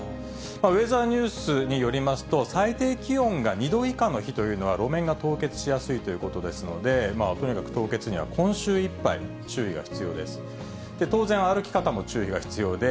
ウェザーニュースによりますと、最低気温が２度以下の日というのは、路面が凍結しやすいということですので、とにかく凍結には今週いっぱい注意が必要です。